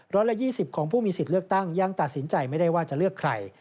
ละ๒๐ของผู้มีสิทธิ์เลือกตั้งยังตัดสินใจไม่ได้ว่าจะเลือกใคร